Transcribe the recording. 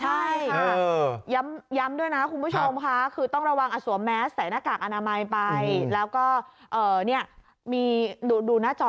ใช่ย้ำด้วยนะคุณผู้ชมค่ะคือต้องระวังสวมแมสใส่หน้ากากอนามัยไปแล้วก็มีดูหน้าจอ